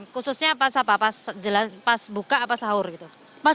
khususnya pas apa pas buka apa sahur gitu